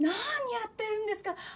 何やってるんですか？